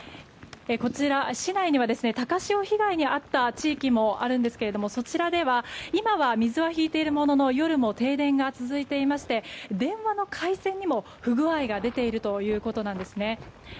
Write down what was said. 市内には高潮被害に遭った地域もあるんですがそちらでは今は水は引いているものの夜も停電が続いていまして電話の回線にも不具合が出ているということなんです。